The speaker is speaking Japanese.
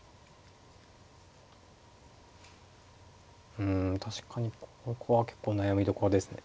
うん確かにここは結構悩みどころですね。